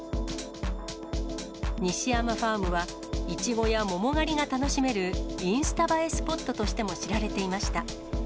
西山ファームはいちごや桃狩りが楽しめるインスタ映えスポットとしても知られていました。